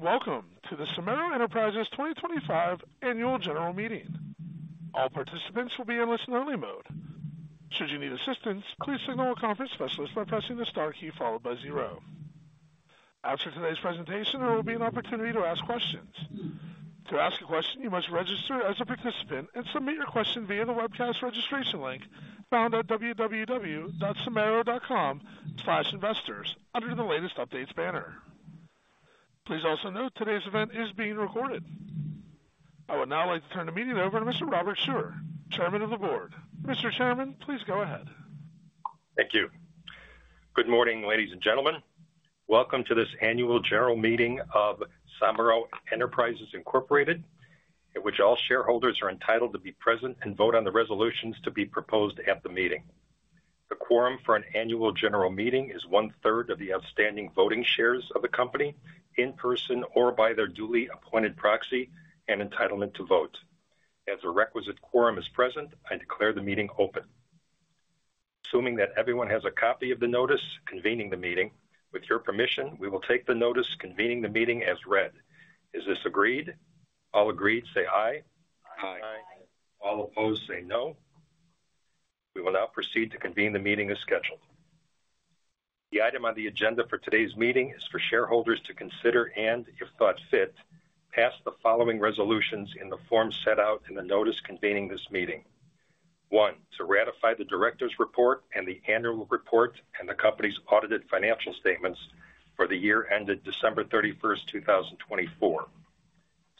Hello, and welcome to the Somero Enterprises 2025 Annual General Meeting. All participants will be in listen-only mode. Should you need assistance, please signal a conference specialist by pressing the star key followed by zero. After today's presentation, there will be an opportunity to ask questions. To ask a question, you must register as a participant and submit your question via the webcast registration link found at www.somero.com/investors under the latest updates banner. Please also note today's event is being recorded. I would now like to turn the meeting over to Mr. Robert Scheuer, Chairman of the Board. Mr. Chairman, please go ahead. Thank you. Good morning, ladies and gentlemen. Welcome to this Annual General Meeting of Somero Enterprises, at which all shareholders are entitled to be present and vote on the resolutions to be proposed at the meeting. The quorum for an Annual General Meeting is one-third of the outstanding voting shares of the company in person or by their duly appointed proxy and entitlement to vote. As a requisite quorum is present, I declare the meeting open. Assuming that everyone has a copy of the notice convening the meeting, with your permission, we will take the notice convening the meeting as read. Is this agreed? All agreed say aye. Aye. Aye. Aye. All opposed say no. We will now proceed to convene the meeting as scheduled. The item on the agenda for today's meeting is for shareholders to consider and, if thought fit, pass the following resolutions in the form set out in the notice convening this meeting. One, to ratify the director's report and the annual report and the company's audited financial statements for the year ended December 31, 2024.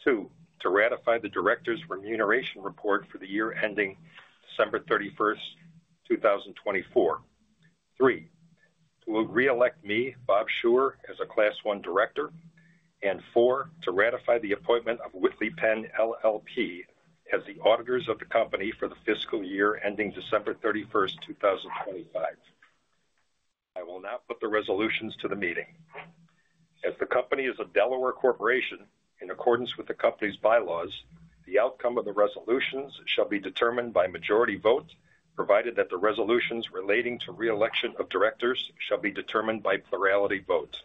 Two, to ratify the director's remuneration report for the year ending December 31, 2024. Three, to reelect me, Bob Scheuer, as a Class one director. Four, to ratify the appointment of Whitley Penn LLP as the auditors of the company for the fiscal year ending December 31, 2025. I will now put the resolutions to the meeting. As the company is a Delaware corporation, in accordance with the company's bylaws, the outcome of the resolutions shall be determined by majority vote, provided that the resolutions relating to reelection of directors shall be determined by plurality vote.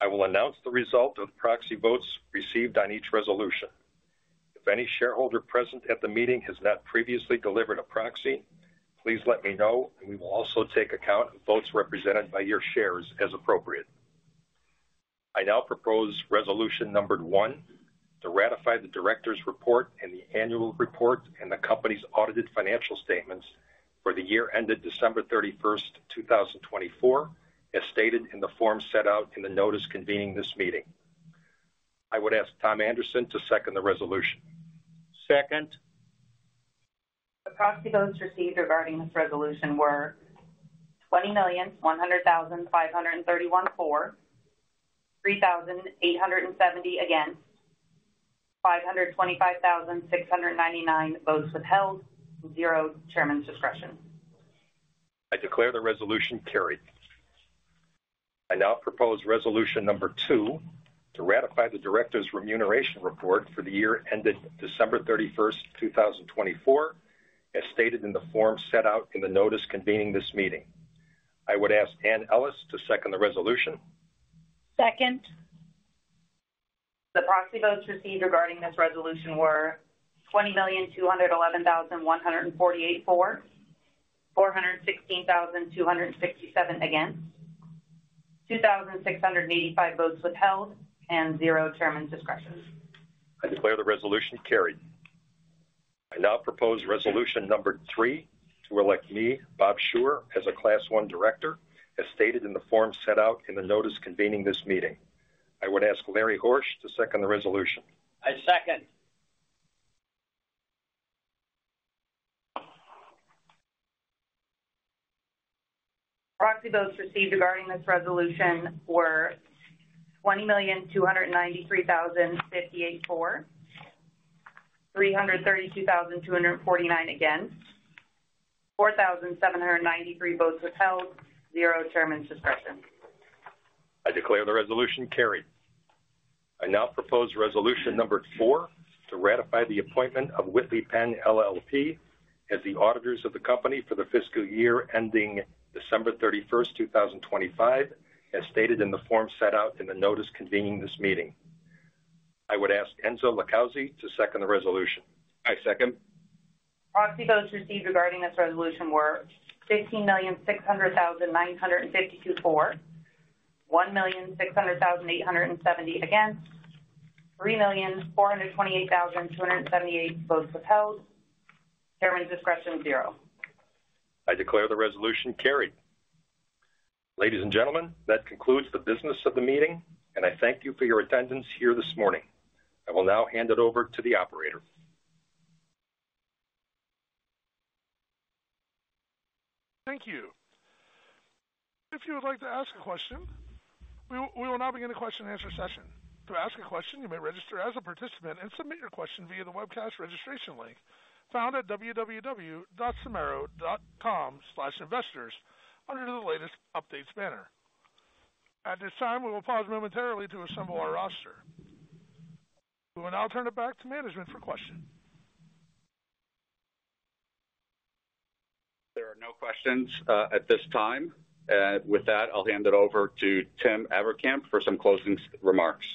I will announce the result of the proxy votes received on each resolution. If any shareholder present at the meeting has not previously delivered a proxy, please let me know, and we will also take account of votes represented by your shares as appropriate. I now propose resolution numbered one, to ratify the director's report and the annual report and the company's audited financial statements for the year ended December 31, 2024, as stated in the form set out in the notice convening this meeting. I would ask Tom Anderson to second the resolution. Second. The proxy votes received regarding this resolution were 20,100,531 for, 3,870 against, 525,699 votes withheld, zero chairman's discretion. I declare the resolution carried. I now propose resolution number two, to ratify the director's remuneration report for the year ended December 31, 2024, as stated in the form set out in the notice convening this meeting. I would ask Anne Ellis to second the resolution. Second. The proxy votes received regarding this resolution were 20,211,148 for, 416,267 against, 2,685 votes withheld, and zero chairman's discretion. I declare the resolution carried. I now propose resolution number three, to elect me, Robert Scheuer, as a Class 1 director, as stated in the form set out in the notice convening this meeting. I would ask Lawrence Horsch to second the resolution. I second. Proxy votes received regarding this resolution were 20,293,058 for, 332,249 against, 4,793 votes withheld, zero chairman's discretion. I declare the resolution carried. I now propose resolution number four, to ratify the appointment of Whitley Penn LLP as the auditors of the company for the fiscal year ending December 31, 2025, as stated in the form set out in the notice convening this meeting. I would ask Enzo LiCausi to second the resolution I second. Proxy votes received regarding this resolution were 15,600,952 for, 1,600,870 against, 3,428,278 votes withheld, chairman's discretion, zero. I declare the resolution carried. Ladies and gentlemen, that concludes the business of the meeting, and I thank you for your attendance here this morning. I will now hand it over to the operators. Thank you. If you would like to ask a question, we will now begin a question-and-answer session. To ask a question, you may register as a participant and submit your question via the webcast registration link found at www.somero.com/investors under the latest updates banner. At this time, we will pause momentarily to assemble our roster. We will now turn it back to management for questions. There are no questions at this time. With that, I'll hand it over to Tim Averkamp for some closing remarks.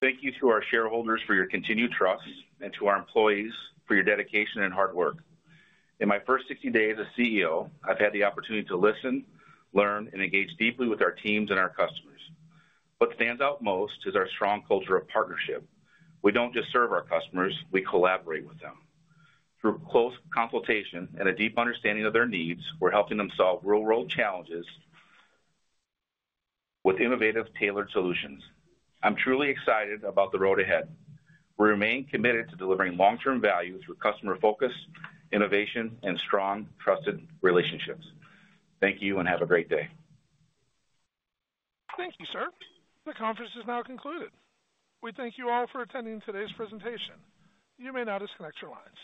Thank you to our shareholders for your continued trust and to our employees for your dedication and hard work. In my first 60 days as CEO, I've had the opportunity to listen, learn, and engage deeply with our teams and our customers. What stands out most is our strong culture of partnership. We don't just serve our customers; we collaborate with them. Through close consultation and a deep understanding of their needs, we're helping them solve real-world challenges with innovative, tailored solutions. I'm truly excited about the road ahead. We remain committed to delivering long-term value through customer focus, innovation, and strong, trusted relationships. Thank you and have a great day. Thank you, sir. The conference is now concluded. We thank you all for attending today's presentation. You may now disconnect your lines.